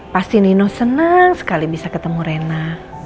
pasti nino senang sekali bisa ketemu rena